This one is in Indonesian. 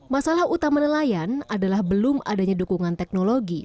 masalah utama nelayan adalah belum adanya dukungan teknologi